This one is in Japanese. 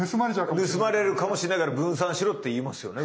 盗まれるかもしれないから分散しろって言いますよね。